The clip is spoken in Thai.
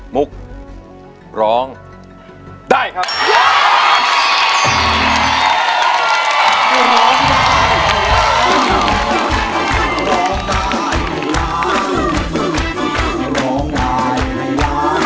มุกร้องได้ครับ